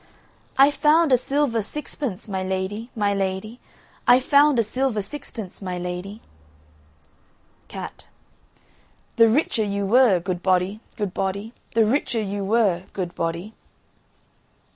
I found a silver sixpence, my lady, my lady, I found a silver sixpence, my lady. CAT. The richer you were, good body, good body, The richer you were, good body.